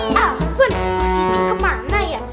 buan sini kemana ya